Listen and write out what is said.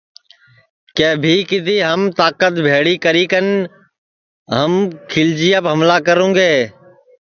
کہ بھی کِدھی ہم تاکت بھیݪی کری کن ہم کھیلچیاپ ہملہ کروُنگے